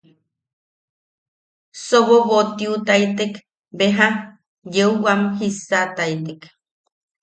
Sobobotiutaitek beja yeu wam jissataitek.